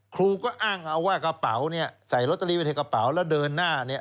ครูก็อ้างเอาว่ากระเป๋าเนี่ยใส่ลอตเตอรี่ไว้ในกระเป๋าแล้วเดินหน้าเนี่ย